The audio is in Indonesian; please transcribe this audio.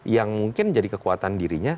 yang mungkin jadi kekuatan dirinya